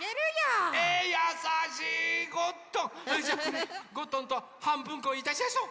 それじゃあこれゴットンとはんぶんこいたしやしょう！